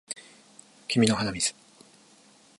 君の鼻水